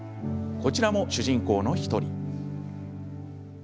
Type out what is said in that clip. こちらも主人公の１人。